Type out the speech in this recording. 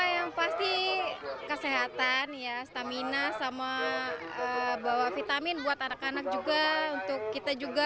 yang pasti kesehatan ya stamina sama bawa vitamin buat anak anak juga untuk kita juga